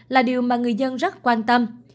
là điều mà người dân rất quan tâm